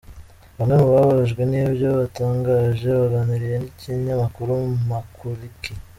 Bamwe mu bababajwe n’ibyo yatangaje, baganiriye n’ikiyamakuru Makuruki.